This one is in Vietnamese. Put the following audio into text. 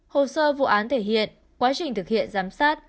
hồ sơ vụ án thể hiện quá trình thực hiện giám sát